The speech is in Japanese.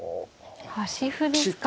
端歩ですか。